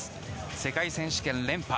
世界選手権連覇。